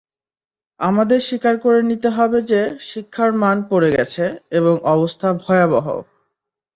আমাদের স্বীকার করে নিতে হবে যে, শিক্ষার মান পড়ে গেছে এবং অবস্থা ভয়াবহ।